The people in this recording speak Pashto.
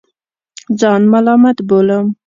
ځان ملامت بولم.